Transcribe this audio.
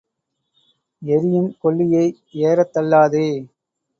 எரியும் கொள்ளியை ஏறத் தள்ளாதே.